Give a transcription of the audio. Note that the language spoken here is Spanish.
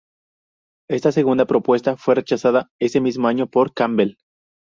Esta segunda propuesta fue rechazada ese mismo año por Campbell.